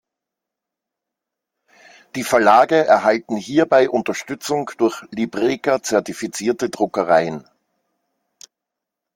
Die Verlage erhalten hierbei Unterstützung durch Libreka-zertifizierte Druckereien.